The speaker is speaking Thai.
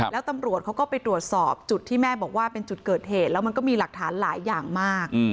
แล้วตำรวจเขาก็ไปตรวจสอบจุดที่แม่บอกว่าเป็นจุดเกิดเหตุแล้วมันก็มีหลักฐานหลายอย่างมาก